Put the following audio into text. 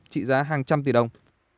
trị giá hàng trăm tỷ đồng